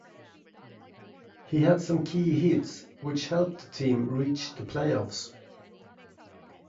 He had some key hits which helped the team reach the playoffs.